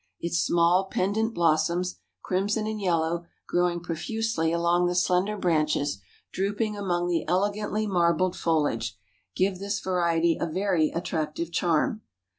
Its small pendant blossoms, crimson and yellow, growing profusely along the slender branches, drooping among the elegantly marbled foliage, give this variety a very attractive charm.